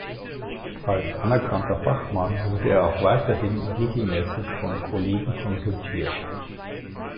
Als anerkannter Fachmann wurde er auch weiterhin regelmäßig von Kollegen konsultiert.